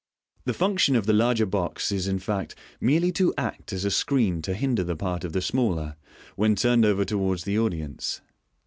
The function of the larger box is, in fact, merely to act as a screen to the hinder part of the smaller, when turned over towards the audience.